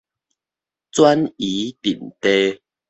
轉移陣地